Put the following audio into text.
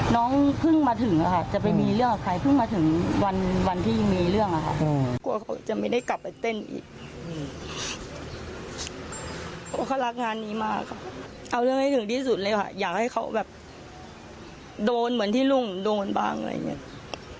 อยากให้เขาแบบโดนเหมือนที่ลุงโดนบ้างอะไรอย่างนี้